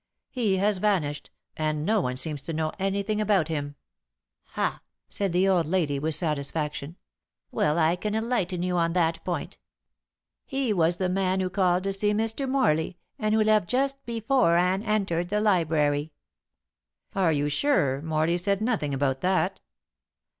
"He has vanished, and no one seems to know anything about him." "Ha!" said the old lady, with satisfaction; "well, I can enlighten you on that point. He was the man who called to see Mr. Morley, and who left just before Anne entered the library." "Are you sure Morley said nothing about that?"